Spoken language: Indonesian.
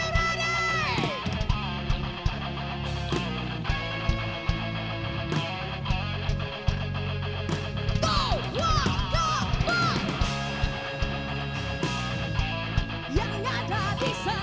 berdiam diri tak ada ikuran